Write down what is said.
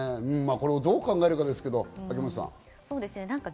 どう考えるかですけど、秋元さん。